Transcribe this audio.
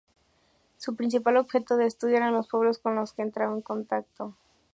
Su principal objeto de estudio eran los pueblos con los que entraba en contacto.